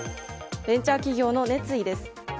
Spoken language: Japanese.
ベンチャー企業の熱意です。